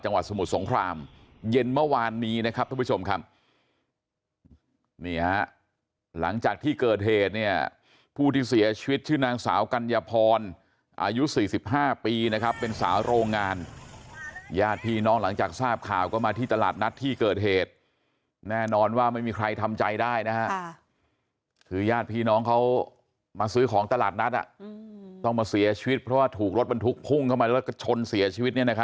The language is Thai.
จังหวัดสมุทรสงครามเย็นเมื่อวานนี้นะครับทุกผู้ชมครับนี่ฮะหลังจากที่เกิดเหตุเนี่ยผู้ที่เสียชีวิตชื่อนางสาวกัญญาพรอายุ๔๕ปีนะครับเป็นสาวโรงงานญาติพี่น้องหลังจากทราบข่าวก็มาที่ตลาดนัดที่เกิดเหตุแน่นอนว่าไม่มีใครทำใจได้นะฮะคือญาติพี่น้องเขามาซื้อของตลาดนัดอ่ะต้องมาเสียช